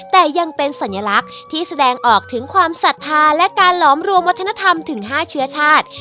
แต่ยังเป็นสัญลักษณ์ที่แสดงออกถึงความศรัทธาและการหลอมรวมวัฒนธรรมถึง๕เชื้อชาติ